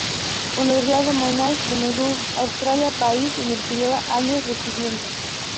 Universidad de Monash de Melbourne, Australia, país en el que lleva años residiendo.